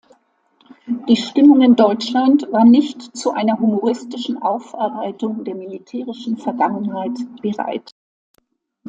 Die Stimmung in Deutschland war nicht zu einer humoristischen Aufarbeitung der militärischen Vergangenheit bereit.